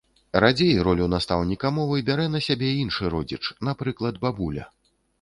Радзей, ролю настаўніка мовы бярэ на сябе іншы родзіч, напрыклад бабуля.